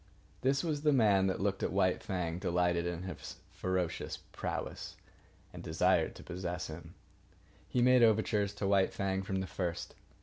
This was the man that looked at White Fang, delighted in his ferocious prowess, and desired to possess him. He made overtures to White Fang from the first.